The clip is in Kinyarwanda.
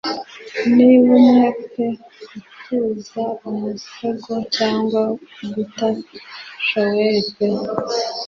Niba umwe pe gutuza umusego cyangwa guta shaweli pe